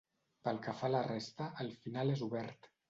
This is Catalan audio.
Pel que fa a la resta, el final és obert.